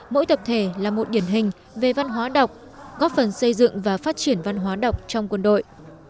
mỗi tập thể là một điển hình về văn hóa đọc góp phần xây dựng và phát triển văn hóa đọc trong quân đội